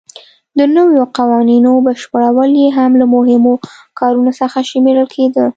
د نویو قوانینو بشپړول یې هم له مهمو کارونو څخه شمېرل کېده.